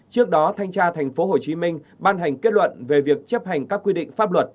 trước đó thanh tra thành phố hồ chí minh ban hành kết luận về việc chấp hành các quy định pháp luật